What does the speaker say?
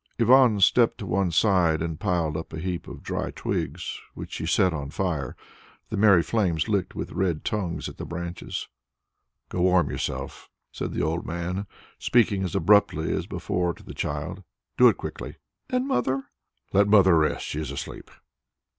Ivan stepped to one side, and piled up a heap of dry twigs which he set on fire. The merry flames licked with red tongues at the branches. "Go and warm yourself," said the old man, speaking as abruptly as before to the child. "Do it quickly." "And mother?" "Let mother rest. She is asleep."